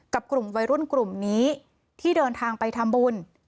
กับกลุ่มวัยรุ่นกลุ่มนี้ที่เดินทางไปทำบุญ